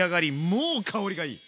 もう香りがいい！